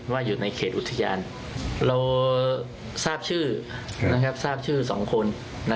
ว่าอยู่ในเขตอุทยานเราทราบชื่อนะครับทราบชื่อสองคน